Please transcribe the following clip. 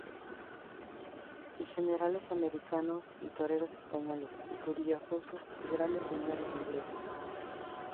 y generales americanos, y toreros españoles, y judíos rusos, y grandes señores ingleses.